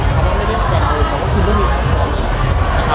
ข้างหน้าไม่ได้สแตนอารมณ์เพราะว่าคุณก็มีแพลตฟอร์มอีกนะคะ